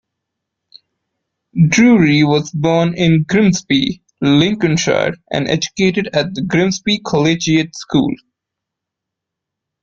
Drewry was born in Grimsby, Lincolnshire, and educated at the Grimsby Collegiate School.